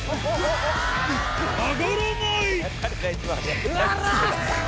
上がらないおら！